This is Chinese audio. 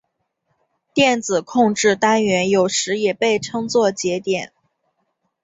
电子控制单元有时也被称作节点。